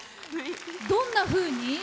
どんなふうに？